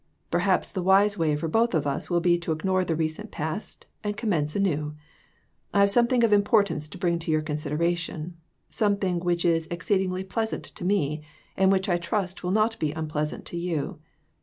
Perhaps the wise way for both of us will be to ignore the recent past and commence anew. I have something of import ance to bring to your consideration ; something which is exceed ingly pleasant to me, and which I trust will be not unpleasant to you.